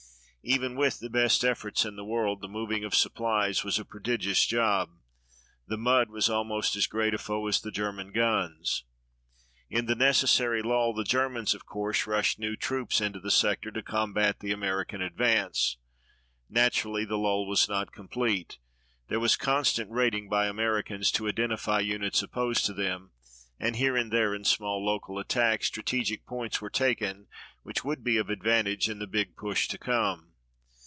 Even with the best efforts in the world, the moving of supplies was a prodigious job. The mud was almost as great a foe as the German guns. In the necessary lull the Germans, of course, rushed new troops into the sector to combat the American advance. Naturally, the lull was not complete. There was constant raiding by Americans to identify units opposed to them, and here and there in small local attacks strategic points were taken which would be of advantage in the big push to come.